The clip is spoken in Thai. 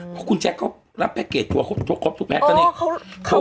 เพราะคุณแจ๊กเขารับแพ็กเกจตัวครบครบทุกแพ็กตัวเนี้ยโอ้เขา